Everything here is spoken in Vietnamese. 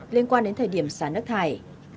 liên quan đến thời điểm xả nước thải